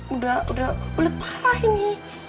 udah belet parah ini